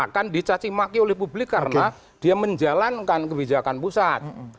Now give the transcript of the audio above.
akan dicacimaki oleh publik karena dia menjalankan kebijakan pusat